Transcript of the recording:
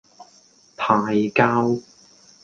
派膠